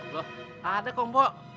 loh ada kok mo